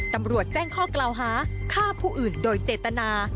ตำรวจแจ้งข้อกล่าวหาฆ่าผู้อื่นโดยเจตนา